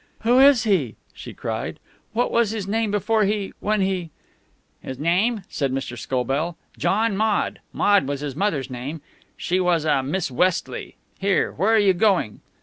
"Who is he?" she cried. "What was his name before he when he ?" "His name?" said Mr. Scobell. "John Maude. Maude was his mother's name. She was a Miss Westley. Here, where are you going?"